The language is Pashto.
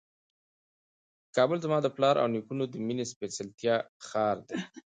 کابل زما د پلار او نیکونو د مېنې سپېڅلی ښار دی.